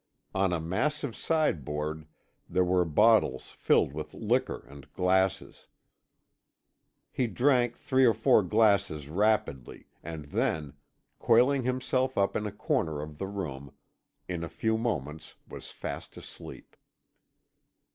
On a massive sideboard there were bottles filled with liquor, and glasses. He drank three or four glasses rapidly, and then, coiling himself up in a corner of the room, in a few moments was fast asleep.